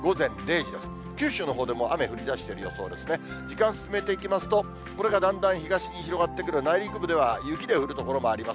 時間進めていきますと、これがだんだん東に広がってくる、内陸部では、雪で降る所もあります。